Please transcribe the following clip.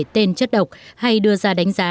tên chất độc hay đưa ra đánh giá